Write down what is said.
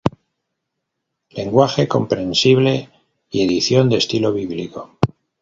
Lenguaje comprensible y edición de estilo bíblico.